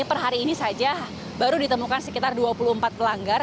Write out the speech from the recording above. per hari ini saja baru ditemukan sekitar dua puluh empat pelanggar